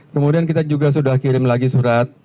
kemudian kita juga sudah kirim lagi surat